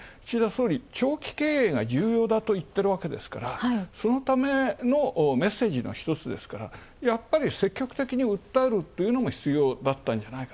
岸田総理、長期経営が重要だと言ってるわけですからそのためのメッセージの１つなのでやっぱり積極的に訴えるというのも必要。